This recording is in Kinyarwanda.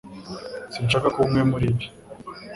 Sinshaka kuba umwe muribi